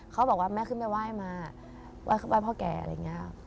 เขาบอกว่าแม่ขึ้นไปไหว้มาไหว้พ่อแก่อะไรอย่างนี้ครับ